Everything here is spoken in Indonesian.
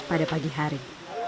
pada pagi hari